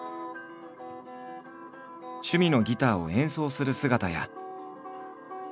趣味のギターを演奏する姿や。